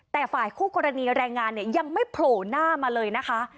แต่ฝ่ายคู่กรณีแรงงานเนี่ยยังไม่โผล่หน้ามาเลยนะคะ